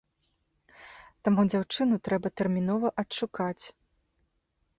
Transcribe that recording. Таму дзяўчыну трэба тэрмінова адшукаць!